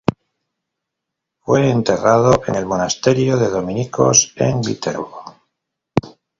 Fue enterrado en el monasterio de dominicos en Viterbo.